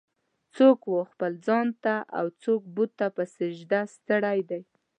"څوک و خپل ځان ته اوڅوک بت ته په سجده ستړی دی.